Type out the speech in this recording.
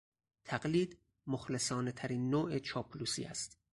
تقلید مخلصانهترین نوع چاپلوسی است.